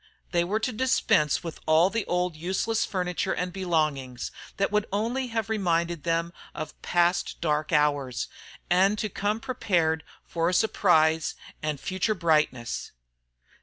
They were to dispense with all the old useless furniture and belongings, that would only have reminded them of past dark hours, and to come prepared for a surprise and future brightness.